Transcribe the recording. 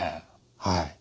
はい。